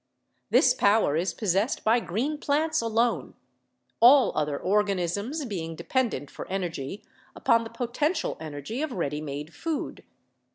This power is possessed by green plants alone; all other organisms being dependent for energy upon the potential energy of ready made food.